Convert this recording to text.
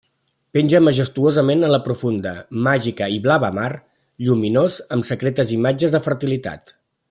Penja majestuosament en la profunda, màgica i blava mar, lluminós, amb secretes imatges de fertilitat.